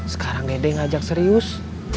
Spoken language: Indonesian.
sekarang dede ngajak serius